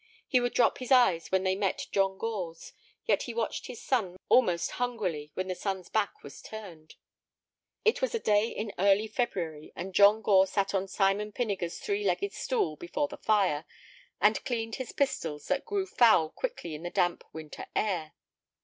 He would drop his eyes when they met John Gore's, yet he watched his son almost hungrily when the son's back was turned. It was a day early in February, and John Gore sat on Simon Pinniger's three legged stool before the fire, and cleaned his pistols that grew foul quickly in the damp winter air.